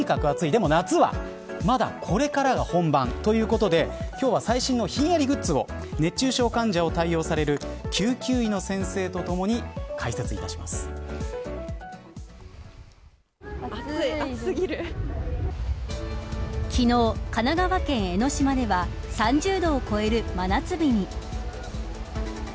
でも夏はこれからが本番ということで今日は最新のひやりグッズを熱中症患者を対応される先生と一緒に昨日、神奈川県江の島では３０度を超える真夏日に。